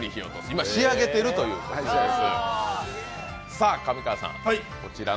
今、仕上げてるというところです。